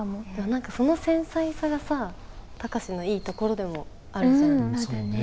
何かその繊細さがさ貴司のいいところでもあるじゃん。